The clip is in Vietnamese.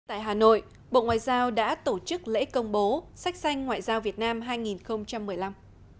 tại hà nội bộ ngoại giao đã tổ chức lễ công bố sách xanh ngoại giao việt nam hai nghìn một mươi năm